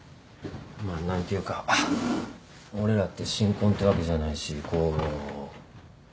まあ何ていうか俺らって新婚ってわけじゃないしこう。